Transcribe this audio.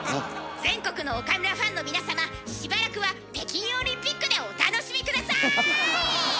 全国の岡村ファンの皆様しばらくは北京オリンピックでお楽しみ下さい！